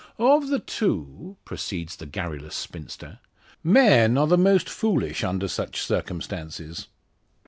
"Of the two," proceeds the garrulous spinster, "men are the most foolish under such circumstances.